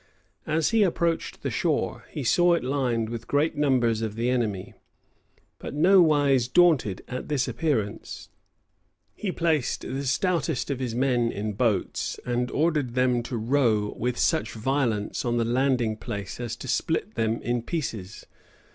As he approached the shore, he saw it lined with great numbers of the enemy; but nowise daunted at this appearance, he placed the stoutest of his men in boats, and ordered them to row with such violence on the landing place as to split them in pieces.